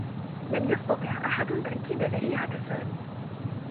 لم يستطع أحد تأكيد ذريعة سامي.